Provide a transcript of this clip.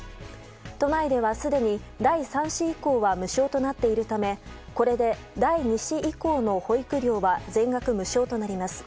都内ではすでに第３子以降は無償となっているためこれで第２子以降の保育料は全額無償となります。